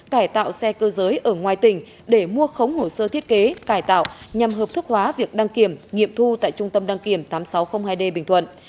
cải tạo xe cơ giới ở ngoài tỉnh để mua khống hồ sơ thiết kế cải tạo nhằm hợp thức hóa việc đăng kiểm nghiệm thu tại trung tâm đăng kiểm tám nghìn sáu trăm linh hai d bình thuận